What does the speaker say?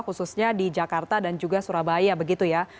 khususnya di jakarta dan juga surabaya begitu ya